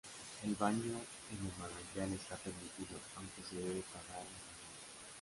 El baño en el manantial está permitido, aunque se debe pagar un canon.